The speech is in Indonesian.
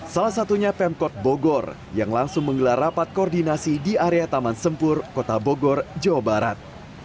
salah satunya pemkot bogor yang langsung menggelar rapat koordinasi di area taman sempur kota bogor jawa barat